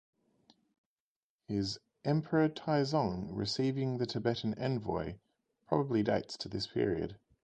His "Emperor Taizong Receiving the Tibetan Envoy" probably dates to this period.